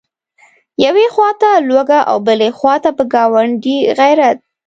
یوې خواته لوږه او بلې خواته په ګاونډي غیرت.